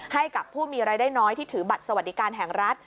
ให้กับผู้มีรายได้น้อยที่ถือบัตรสวัสดิการแห่งรัฐ